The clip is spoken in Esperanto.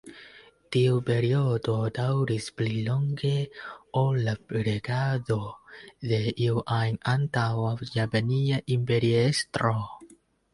Tiu periodo daŭris pli longe ol la regado de iu ajn antaŭa japania imperiestro.